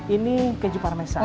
ini keju parmesan